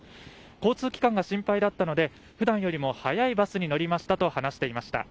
交通機関が心配だったのでふだんよりも早いバスに乗りましたと話していました。